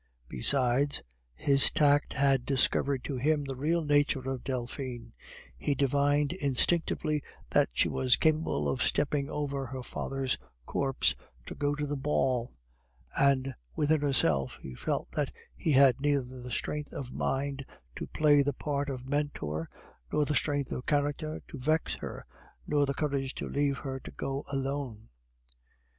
Besides, his tact had discovered to him the real nature of Delphine; he divined instinctively that she was capable of stepping over her father's corpse to go to the ball; and within himself he felt that he had neither the strength of mind to play the part of mentor, nor the strength of character to vex her, nor the courage to leave her to go alone.